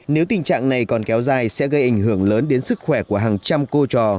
nếu tình trạng này còn kéo dài sẽ gây ảnh hưởng lớn đến sức khỏe của hàng trăm cô trò